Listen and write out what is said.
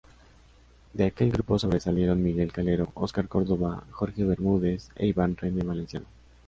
De aquel grupo sobresalieron Miguel Calero, Óscar Córdoba, Jorge Bermúdez e Iván Rene Valenciano.